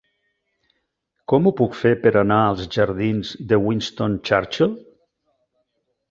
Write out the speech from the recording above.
Com ho puc fer per anar als jardins de Winston Churchill?